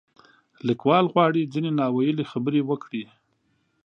لیکوال غواړي ځینې نا ویلې خبرې وکړي.